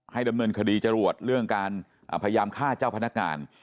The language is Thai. ดำเนินคดีจรวดเรื่องการพยายามฆ่าเจ้าพนักงาน